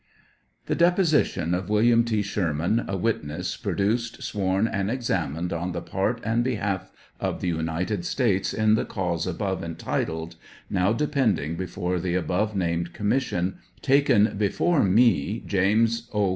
The deposition of Wm. T. Sherman, a witness pro duced, sworn, and examined on the part and behalf of the United States, in the cause above entitled, now depending before the above named Commission, taken before me, James O.